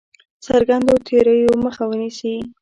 څرګندو تېریو مخه ونیسي.